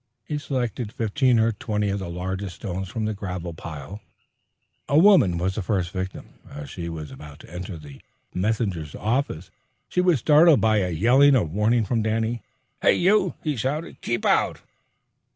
He selected fifteen or twenty of the largest stones from the gravel pile. A woman was the first victim. As she was about to enter the messenger office she was startled by a yell of warning from Danny. "Hey, you!" he shouted. "Keep out!"